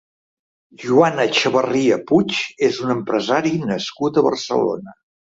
Joan Echevarria Puig és un empresari nascut a Barcelona.